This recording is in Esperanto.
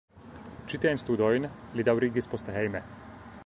Ĉi tiajn studojn li daŭrigis poste hejme.